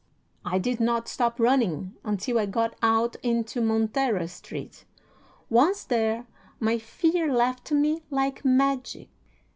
I did not stop running until I got out into Montera Street. Once there, my fear left me like magic.